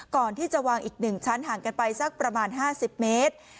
ก่อนที่จะวางอีก๑ชั้นห่างกันไปสักประมาณ๕๐เมตร